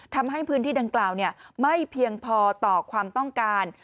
ทำให้พื้นที่ดังกล่าวไม่เพียงพอต่อความต้องการ